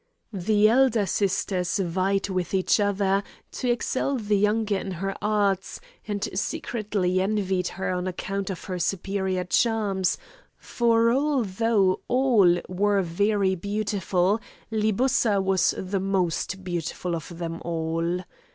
The elder sisters vied with each other, to excel the younger in her arts, and secretly envied her on account of her superior charms, for although all were very beautiful, Libussa was the most beautiful of them all.